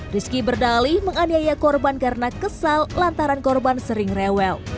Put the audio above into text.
rizky berdalih menganiaya korban karena kesal lantaran korban sering rewel